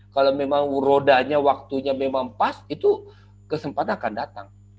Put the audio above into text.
kalau memang rodanya waktunya memang pas itu kesempatan akan datang